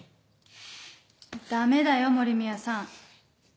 ダメだよ森宮さん。